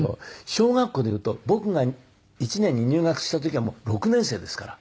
小学校でいうと僕が１年に入学した時はもう６年生ですから。